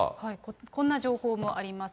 こんな情報もあります。